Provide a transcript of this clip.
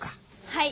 はい。